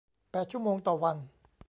แปดชั่วโมงต่อวัน